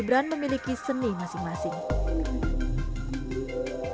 mereka juga memiliki keuntungan untuk memiliki keuntungan